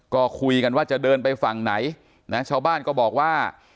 ก็คุยกันว่าจะเดินไปฝั่งไหนนะชาวบ้านก็บอกว่า